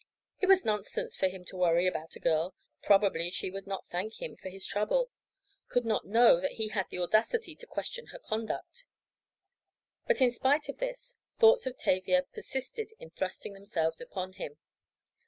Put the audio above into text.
It was nonsense for him to worry about a girl—probably she would not thank him for his trouble, could she know that he had the audacity to question her conduct. But, in spite of this, thoughts of Tavia persisted in thrusting themselves upon him.